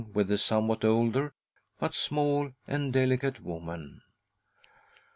with a somewhat older but small and delicate woman.